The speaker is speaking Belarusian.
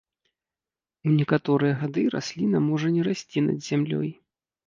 У некаторыя гады расліна можа не расці над зямлёй.